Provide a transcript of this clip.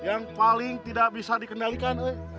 yang paling tidak bisa dikendalikan